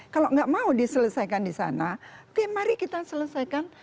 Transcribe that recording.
kalau nggak mau diselesaikan di sana oke mari kita selesaikan